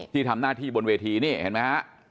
ที่ทำหน้าที่บนเวทีนี่เห็นไหมฮะ